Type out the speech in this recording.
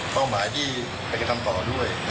เป้าหมายใครจะทำตอบด้วย